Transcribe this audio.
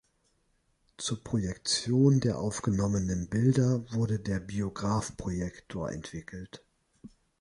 Zur Projektion der aufgenommenen Bilder wurde der Biograph-Projektor entwickelt.